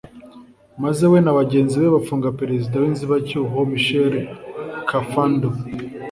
maze we na bagenzi be bafunga Perezida w’inzibacyuho Michel Kafando